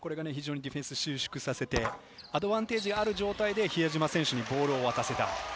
これがディフェンスを収縮させて、アドバンテージがある中で比江島選手にボールを渡せた。